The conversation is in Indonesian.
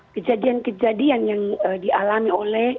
kejadian kejadian yang dialami oleh